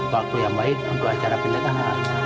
waktu yang baik untuk acara pernikahan